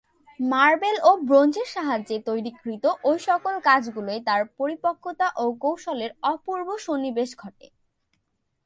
Marble ও ব্রোঞ্জের সাহায্যে তৈরীকৃত ঐ সকল কাজগুলোয় তার পরিপক্কতা ও কৌশলের অপূর্ব সন্নিবেশ ঘটে।